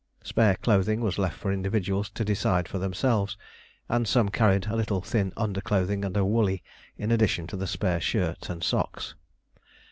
Spare clothing was left for individuals to decide for themselves, and some carried a little thin underclothing and a "woolley" in addition to the spare shirt and socks.